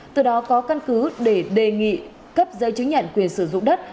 từ đó có căn cứ để đề nghị cấp giấy chứng nhận quyền sử dụng đất